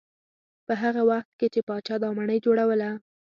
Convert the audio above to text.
په هغه وخت کې چې پاچا دا ماڼۍ جوړوله.